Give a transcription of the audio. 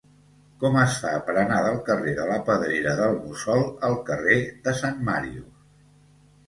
Com es fa per anar del carrer de la Pedrera del Mussol al carrer de Sant Màrius?